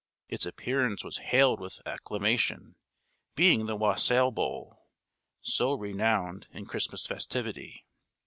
Its appearance was hailed with acclamation; being the Wassail Bowl, so renowned in Christmas festivity.